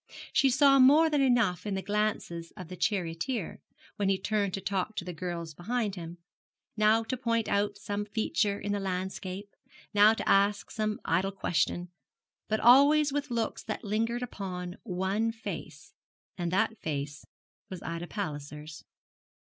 She saw more than enough in the glances of the charioteer, when he turned to talk to the girls behind him now to point out some feature in the landscape, now to ask some idle question, but always with looks that lingered upon one face, and that face was Ida Palliser's.